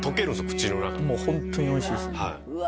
口の中でもうホントにおいしいっすうわ